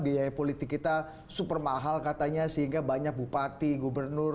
biaya politik kita super mahal katanya sehingga banyak bupati gubernur